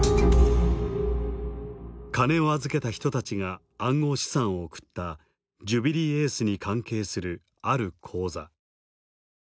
金を預けた人たちが暗号資産を送ったジュビリーエースに関係するある口座。